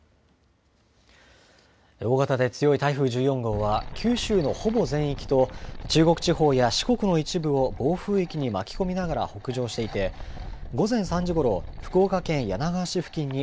大型で強い台風１４号は九州のほぼ全域と中国地方や四国の一部を暴風域に巻き込みながら北上していて、午前３時頃、福岡県柳川市付近に